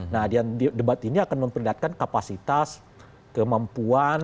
nah di debat ini akan memperlihatkan kapasitas kemampuan kelihatan